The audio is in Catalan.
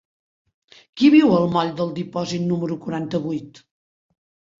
Qui viu al moll del Dipòsit número quaranta-vuit?